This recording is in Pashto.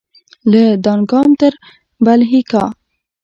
له دانګام تر بلهیکا